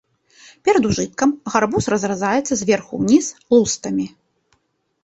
Перад ужыткам гарбуз разразаецца зверху ўніз лустамі.